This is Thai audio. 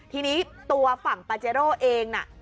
ทีนี้ตัวฝั่งปาเจโร่เองน่ะ